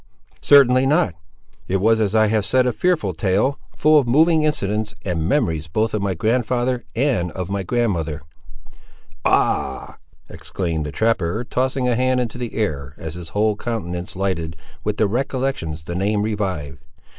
"Certainly not; it was, as I have said, a fearful tale, full of moving incidents, and the memories both of my grandfather and of my grandmother—" "Ah!" exclaimed the trapper, tossing a hand into the air as his whole countenance lighted with the recollections the name revived.